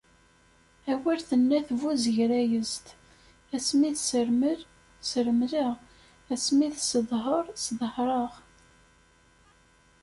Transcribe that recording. Awal tenna tbuzegrayezt: asmi d ssermel, sremleɣ; asmi d sseḍher, sḍehreɣ.